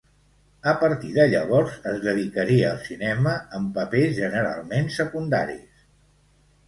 A partir de llavors es dedicaria al cinema en papers generalment secundaris.